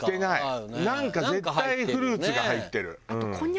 なんか絶対フルーツが入ってる。